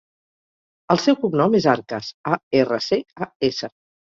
El seu cognom és Arcas: a, erra, ce, a, essa.